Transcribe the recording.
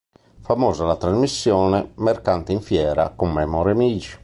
Famosa la trasmissione "Mercante in fiera" con Memo Remigi.